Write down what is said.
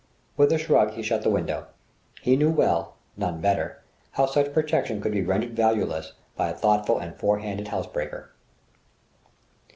With a shrug, he shut the window. He knew well none better how such protection could be rendered valueless by a thoughtful and fore handed housebreaker.